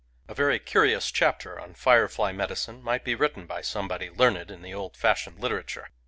A very curious chapter on firefly medicine might be written by somebody learned in the old fash ioned literature.